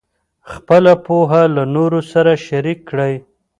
خپله پوهه له نورو سره شریک کړئ.